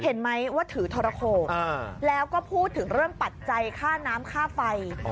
เห็นไหมว่าถือทรโขดแล้วก็พูดถึงเรื่องปัจจัยค่าน้ำค่าไฟ